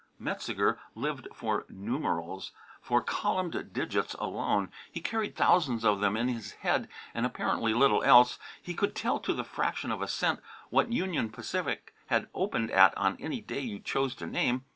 Metzeger lived for numerals, for columned digits alone. He carried thousands of them in his head and apparently little else. He could tell to the fraction of a cent what Union Pacific had opened at on any day you chose to name.